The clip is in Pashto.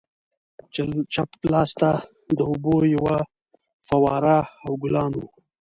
چپ لاسته د اوبو یوه فواره او ګلان وو.